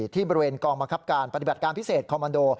ที่บริเวณกองบังคับการปฏิบัติการพิเศษคอมมันโด